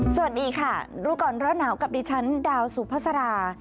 สวัสดีค่ะรู้ก่อนร้อนหนาวกับดิฉันดาวสุภาษารา